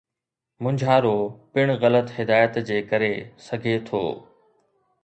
مونجهارو پڻ غلط هدايت جي ڪري سگھي ٿو.